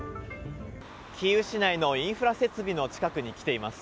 キーウ市内のインフラ設備の近くに来ています。